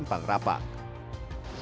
kepala pemerintahan simpang rapa